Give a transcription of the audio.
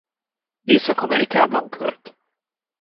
Észak-Amerikában költ.